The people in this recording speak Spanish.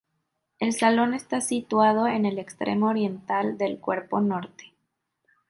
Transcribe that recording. El Salón está situado en el extremo oriental del cuerpo norte.